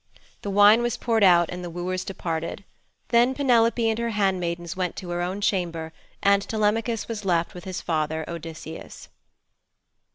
The wine was poured out and the wooers departed. Then Penelope and her handmaidens went to her own chamber and Telemachus was left with his father, Odysseus.